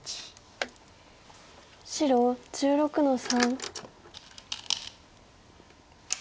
白１６の三。